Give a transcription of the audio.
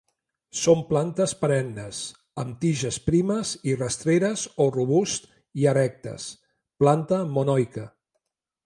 Són plantes perennes; amb tiges primes i rastreres o robusts i erectes; planta monoica.